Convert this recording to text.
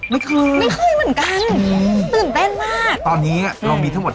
ไม่เคยไม่เคยเหมือนกันตื่นเต้นมากตอนนี้อ่ะเรามีทั้งหมด